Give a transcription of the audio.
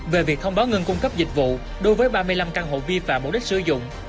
về việc thông báo ngưng cung cấp dịch vụ đối với ba mươi năm căn hộ vi phạm mục đích sử dụng